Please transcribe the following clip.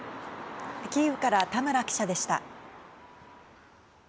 キーウから田村記者でした。